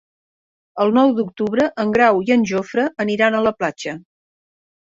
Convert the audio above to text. El nou d'octubre en Grau i en Jofre aniran a la platja.